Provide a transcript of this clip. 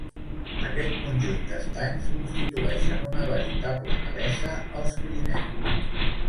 Aquest conjunt d’estanys constitueixen una veritable raresa als Pirineus.